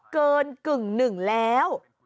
เกินกึ่งหนึ่งแล้ว